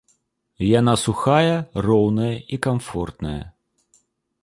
Яна сухая, роўная і камфортная.